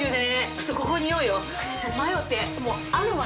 ちょっとここにいようよ。